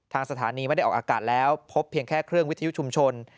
ทางสถานีไม่ได้ออกอากาศแล้วพบเพียงแค่เครื่องวิทยุชุมชน